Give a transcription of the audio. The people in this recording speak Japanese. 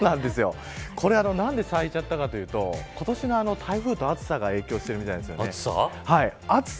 これ何で咲いちゃったかというと今年の暑さと台風が影響しているみたいなんです。